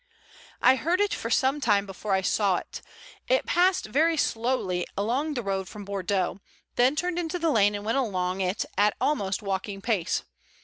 I heard it for some time before I saw it. It passed very slowly along the road from Bordeaux, then turned into the lane and went along it at almost walking pace.